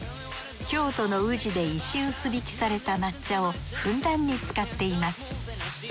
京都の宇治で石臼挽きされた抹茶をふんだんに使っています。